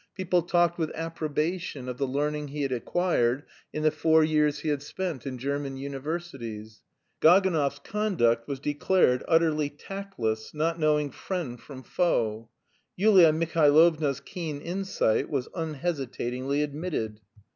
People talked with approbation of the learning he had acquired in the four years he had spent in German universities. Gaganov's conduct was declared utterly tactless: "not knowing friend from foe." Yulia Mihailovna's keen insight was unhesitatingly admitted.